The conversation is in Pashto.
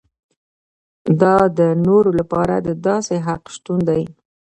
دا د نورو لپاره د داسې حق شتون دی.